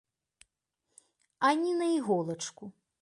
А ні на іголачку.